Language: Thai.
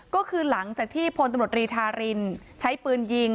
ก็คือหลังจากที่พลตำรวจรีธารินใช้ปืนยิง